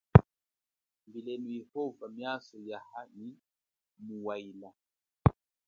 Embilenu Yehova miaso yaha nyi kuwaila.